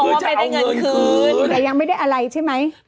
เพราะว่าไม่ได้เงินคืนแต่ยังไม่ได้อะไรใช่ไหม